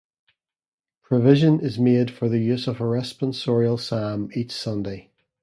Provision is made for the use of a responsorial psalm each Sunday.